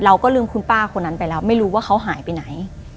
เราก็ลืมคุณป้าคนนั้นไปแล้วไม่รู้ว่าเขาหายไปไหน